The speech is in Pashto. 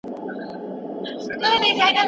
موږ باید د څېړني میتودولوژي سمه وټاکو.